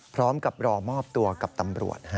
พร้อมกับรอมอบตัวกับตำรวจ